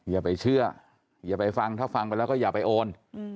อย่าไปเชื่ออย่าไปฟังถ้าฟังไปแล้วก็อย่าไปโอน